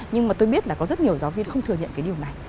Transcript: nhưng mà tôi biết là có rất nhiều giáo viên không thừa nhận cái điều này